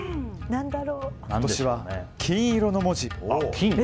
今年は金色の文字。